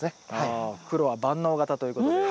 ああ黒は万能型ということで。